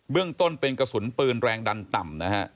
เรื่องต้นเป็นกระสุนปืนแรงดันต่ำนะฮะ